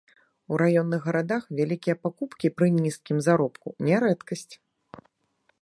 У раённых гарадах вялікія пакупкі пры нізкім заробку не рэдкасць.